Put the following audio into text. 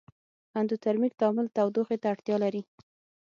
اندوترمیک تعامل تودوخې ته اړتیا لري.